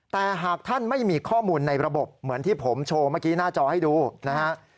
แต่หากท่านไม่มีข้อมูลในระบบเหมือนที่ผมโชว์เมื่อกี้หน้าจอให้ดูนะฮะ